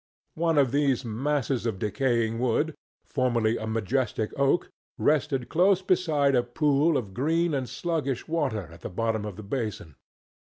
One of these masses of decaying wood, formerly a majestic oak, rested close beside a pool of green and sluggish water at the bottom of the basin.